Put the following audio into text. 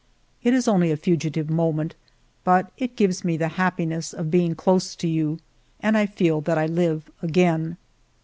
" It is only a fugitive moment, but it gives me the happiness of being close to you, and I feel that I live again.